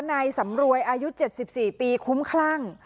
นายสำรวยอายุ๗๔ปีคุ้มคลั่ง